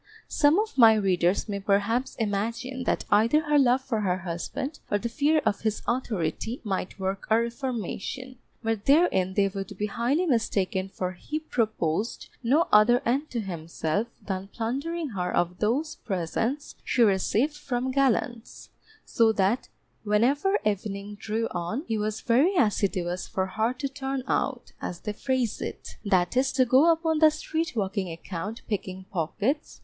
Some of my readers may perhaps imagine that either her love for her husband, or the fear of his authority, might work a reformation, but therein they would be highly mistaken for he proposed no other end to himself than plundering her of those presents she received from gallants, so that whenever evening drew on, he was very assiduous for her to turn out (as they phrase it), that is to go upon the street walking account picking pockets.